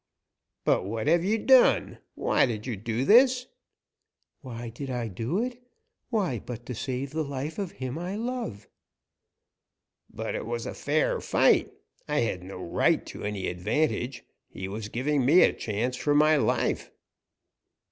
"But what have you done? Why did you do this?" "Why did I do it? Why, but to save the life of him I love!" "But, it was a fair fight; I had no right to any advantage; he was giving me a chance for my life."